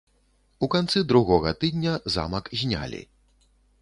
У канцы другога тыдня замак знялі.